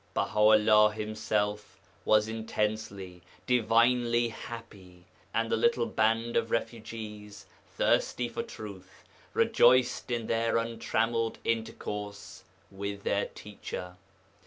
Baha 'ullah himself was intensely, divinely happy, and the little band of refugees thirsty for truth rejoiced in their untrammelled intercourse with their Teacher.